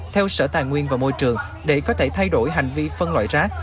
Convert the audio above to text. theo sở tài nguyên và môi trường để có thể thay đổi hành vi phân loại rác